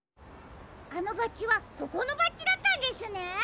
あのバッジはここのバッジだったんですね。